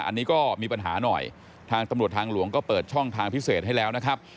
อันนี้ก็มีปัญหาหน่อยทางตำรวจทางหลวงก็เปิดช่องทางพิเศษให้แล้วนะครับ